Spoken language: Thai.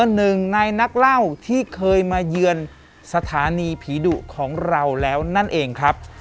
หนึ่งในนักเล่าที่เคยมาเยือนสถานีผีดุของเราแล้วนั่นเองครับ